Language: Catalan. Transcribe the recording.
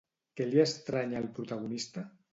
Què li estranya al protagonista?